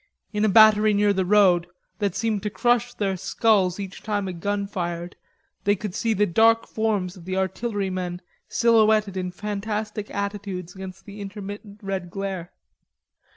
In a battery near the road, that seemed to crush their skulls each time a gun fired, they could see the dark forms of the artillerymen silhouetted in fantastic attitudes against the intermittent red glare.